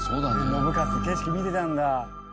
信雄景色見てたんだ。